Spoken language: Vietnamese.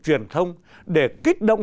truyền thông để kích động